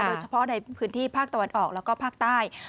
โดยเฉพาะในพื้นที่ภาคตะวันออกแล้วก็ภาคใต้